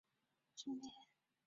他应该回到我的身边